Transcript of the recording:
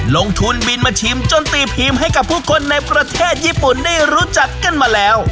ลงทุนบินมาชิมจนตีพิมพ์ให้กับผู้คนในประเทศญี่ปุ่นได้รู้จักกันมาแล้ว